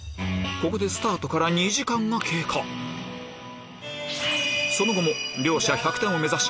ここでスタートから２時間が経過その後も１００点を目指し